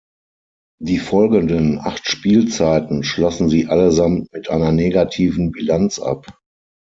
Die folgenden acht Spielzeiten schlossen sie allesamt mit einer negativen Bilanz ab.